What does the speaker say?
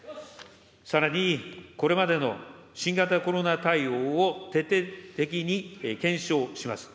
さらにこれまでの新型コロナ対応を徹底的に検証します。